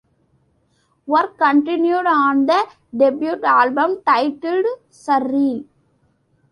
Work continued on the debut album, titled "Surreal".